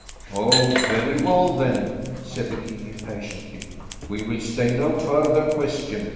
"Oh, very well then," said the king impatiently, "we will stay no further question.